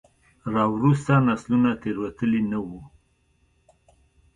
راوروسته نسلونو تېروتلي نه وو.